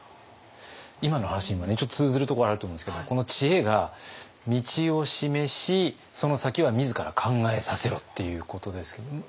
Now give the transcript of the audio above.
今の話にもねちょっと通ずるところあると思うんですけどこの知恵が「道を示しその先は自ら考えさせろ」っていうことですけど。